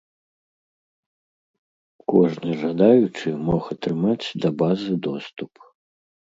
Кожны жадаючы мог атрымаць да базы доступ.